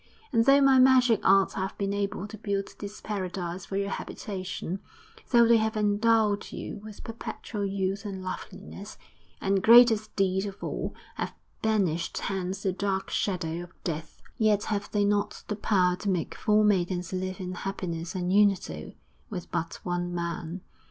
And though my magic arts have been able to build this paradise for your habitation, though they have endowed you with perpetual youth and loveliness, and, greatest deed of all, have banished hence the dark shadow of Death, yet have they not the power to make four maidens live in happiness and unity with but one man!